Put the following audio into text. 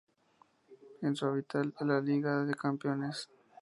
Es un habitual en la Liga de Campeones.